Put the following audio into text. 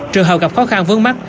trường hợp gặp khó khăn vướng mắt